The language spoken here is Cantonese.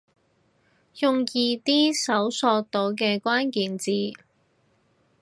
用易啲搜尋到嘅關鍵字